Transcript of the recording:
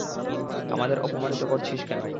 আমাদের অপমানিত করছিস কেন?